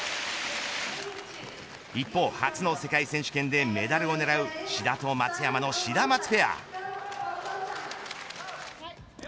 一方、初の世界選手権でメダルを狙う志田と松山のシダマツペアは。